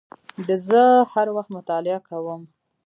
زه هر وخت مطالعه کوم